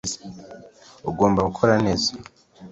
ugomba gukora neza